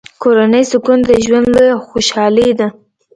کورنی سکون د ژوند لویه خوشحالي ده.